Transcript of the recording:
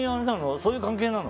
そういう関係なの？